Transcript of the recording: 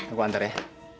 aku antar ya